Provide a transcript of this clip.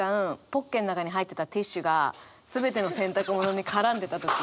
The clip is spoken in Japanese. ポッケの中に入ってたティッシュが全ての洗濯物に絡んでた時。